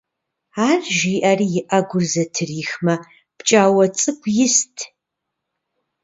Ар жиӀэри, и Ӏэгур зэтрихмэ, пкӀауэ цӀыкӀу ист.